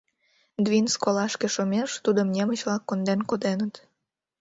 Двинск олашке шумеш тудым немыч-влак конден коденыт...